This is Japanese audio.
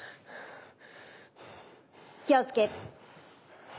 気をつけ。